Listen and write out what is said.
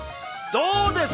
どうですか？